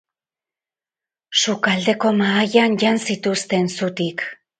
Sukaldeko mahaian jan zituzten, zutik.